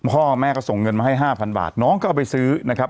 พ่อแม่ก็ส่งเงินมาให้๕๐๐บาทน้องก็เอาไปซื้อนะครับ